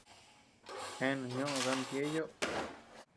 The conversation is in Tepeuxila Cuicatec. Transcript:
Jeanu ñoʼö daami Tieyo.